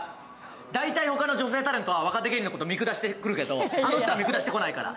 大体、他の女性タレントは若手芸人のこと見下してくるるけど、あの人は見下してこないから。